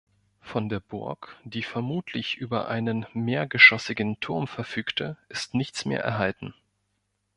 Von der Burg, die vermutlich über einen mehrgeschossigen Turm verfügte, ist nichts mehr erhalten.